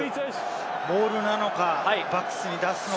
モールなのか、バックスに出すのか。